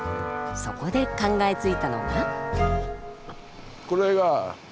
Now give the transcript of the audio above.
そこで考えついたのが。